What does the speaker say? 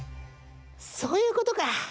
そういうことか！